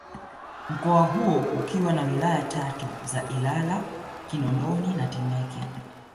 Mkoa huo ukiwa na Wilaya tatu za Ilala Kinondoni na Temeke